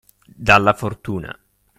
dalla fortuna.